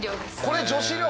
これ女子寮？